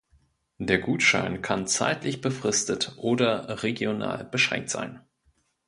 Der Gutschein kann zeitlich befristet oder regional beschränkt sein.